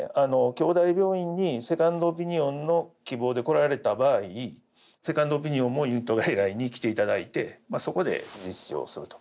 京大病院にセカンドオピニオンの希望で来られた場合セカンドオピニオンもユニット外来に来ていただいてそこで実施をすると。